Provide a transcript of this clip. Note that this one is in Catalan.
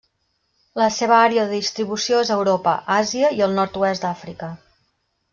La seva àrea de distribució és Europa, Àsia i el nord-oest d'Àfrica.